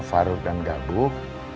farur dan gabuh